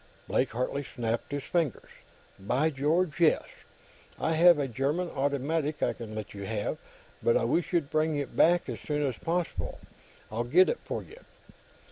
Blake Hartley snapped his fingers. "By George, yes! I have a German automatic I can let you have, but I wish you'd bring it back as soon as possible. I'll get it for you."